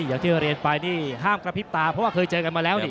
อยากเชื่อเรียนฟายนี้ห้ามกระพรีปตาเพราะว่าเคยเจอกันมาแล้วนี่